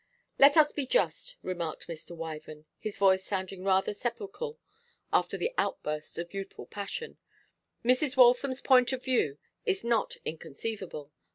'Let us be just,' remarked Mr. Wyvern, his voice sounding rather sepulchral after the outburst of youthful passion. 'Mrs. Waltham's point of view is not inconceivable.